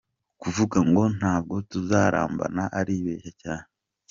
Kuvuga ngo ntabwo tuzarambana, aribeshya cyane.